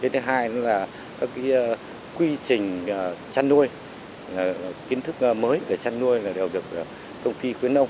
thứ hai nữa là các quy trình chăn nuôi kiến thức mới về chăn nuôi đều được công ty khuyến nông